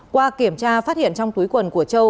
qua kiểm tra phát hiện trong túi quần của châu